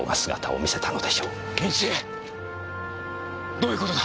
どういう事だ！？